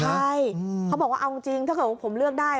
ใช่เขาบอกว่าเอาจริงถ้าเกิดว่าผมเลือกได้